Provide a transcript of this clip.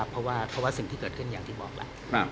เพราะว่าสิ่งที่เกิดขึ้นอย่างที่บอกแล้ว